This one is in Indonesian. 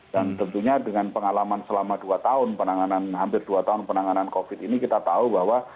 dan tentunya dengan pengalaman selama dua tahun penanganan hampir dua tahun penanganan covid ini kita tahu bahwa